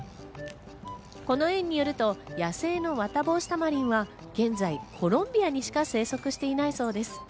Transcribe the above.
この園によると、野生のワタボウシタマリンは現在、コロンビアにしか生息していないそうです。